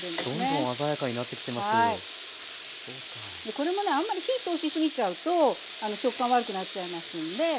これもねあんまり火通しすぎちゃうと食感悪くなっちゃいますんで。